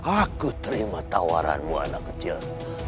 aku terima tawaranmu anak kecil